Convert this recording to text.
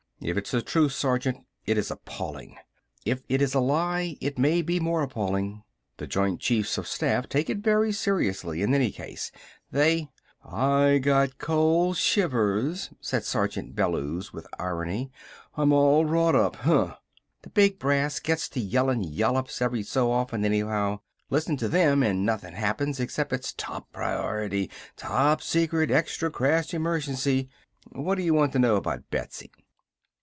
If it's the truth, Sergeant, it is appalling. If it is a lie, it may be more appalling. The Joint Chiefs of Staff take it very seriously, in any case. They " "I got cold shivers," said Sergeant Bellews with irony. "I'm all wrought up. Huh! The big brass gets the yellin' yollups every so often anyhow. Listen to them, and nothin' happens except it's top priority top secret extra crash emergency! What do you want to know about Betsy?"